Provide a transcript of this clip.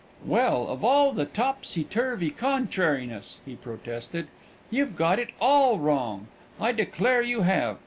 "Well, of all the topsy turvy contrariness!" he protested. "You've got it all wrong; I declare you have!